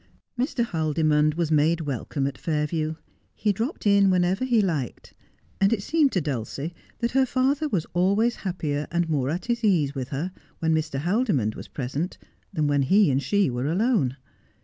Mr. Haldimond was made welcome at Fairview. He dropped in whenever he liked ; and it seemed to Dulcie that her father was always happier and more at his ease with her when Mr. Haldimond was present than when he and she were alone.